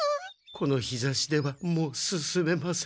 この日ざしではもう進めません。